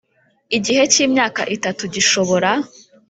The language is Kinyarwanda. igihe cy imyaka itatu gishobora